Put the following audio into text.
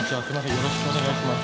よろしくお願いします。